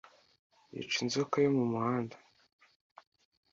yica inzoka yo mu muhanda